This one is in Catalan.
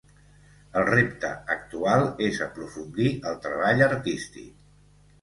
El repte actual és aprofundir el treball artístic.